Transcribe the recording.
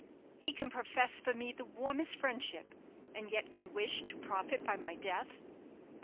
he can profess for me the warmest friendship, and yet can wish to profit by my death!"